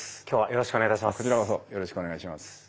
今日はよろしくお願いいたします。